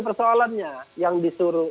persoalannya yang disuruh